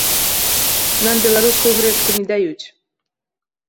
Нам беларускую грэчку не даюць.